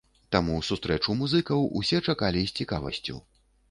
Таму сустрэчу музыкаў усе чакалі з цікавасцю.